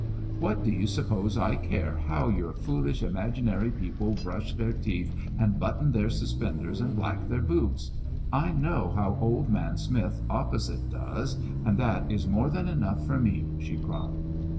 "What do you suppose I care how your foolish imaginary people brush their teeth and button their suspenders and black their boots? I know how old man Smith opposite does, and that is more than enough for me!" she cried.